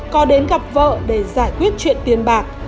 có đến gặp vợ để giải quyết chuyện tiền bạc